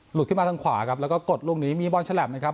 หลุดขึ้นมาทางขวาครับแล้วก็กดลูกนี้มีบอลแชร์แหลปนะครับ